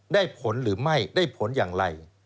ได้ผลหรือไม่ได้ผลอย่างไร